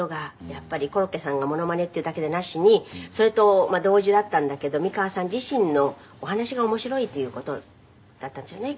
やっぱりコロッケさんがモノマネっていうだけじゃなしにそれと同時だったんだけど美川さん自身のお話が面白いという事だったんですよね？